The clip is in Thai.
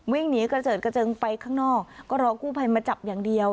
วิ่งหนีกระเจิดกระเจิงไปข้างนอกก็รอกู้ภัยมาจับอย่างเดียว